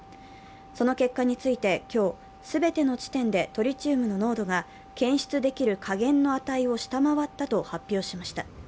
その結果について今日、全ての地点でトリチウムの濃度が検出できる下限の値を下回ったと発表しました。